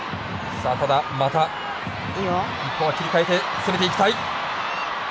また日本は切り替えて攻めていきたい。